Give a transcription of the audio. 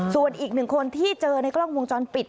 ส่วนอีกหนึ่งคนที่เจอในกล้องวงจรปิด